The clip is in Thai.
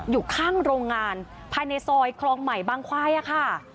อยู่ข้างโรงงานภายในซอยคลองใหม่บางควายค่ะ